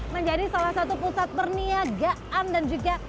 menjadi salah satu pusat perniagaan dan juga